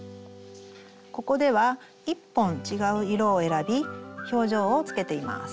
ここでは１本違う色を選び表情をつけています。